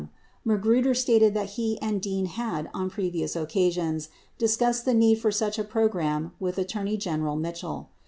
10 Magruder stated that he and Dean had, on previous occasions, dis cussed the need for such a program with Attorney General Mitchell.